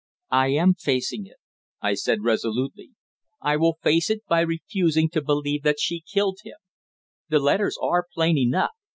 "I am facing it," I said resolutely. "I will face it by refusing to believe that she killed him. The letters are plain enough.